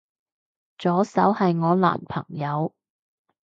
左手係我男朋友